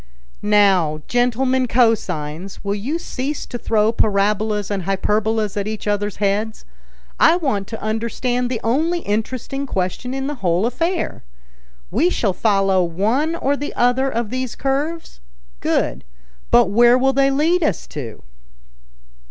"Now, gentlemen cosines, will you cease to throw parabolas and hyperbolas at each other's heads? I want to understand the only interesting question in the whole affair. We shall follow one or the other of these curves? Good. But where will they lead us to?"